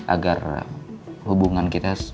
agar hubungan kita